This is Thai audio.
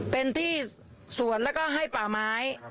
เป็นที่สวนแล้วก็ให้ป่าไม้